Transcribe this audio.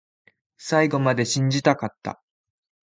最後まで信じたかった